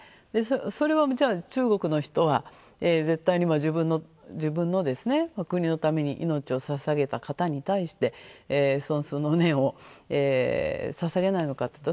それは中国の人は絶対に自分の国のために命をささげた方に対して尊崇の念をささげないかっていうと